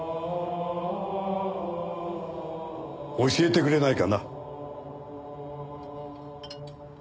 教えてくれないかな？